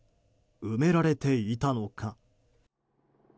埋められていたのか？